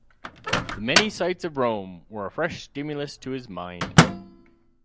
The many sights of Rome were a fresh stimulus to his mind.